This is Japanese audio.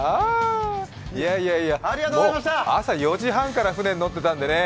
朝４時半から船に乗ってたんでね。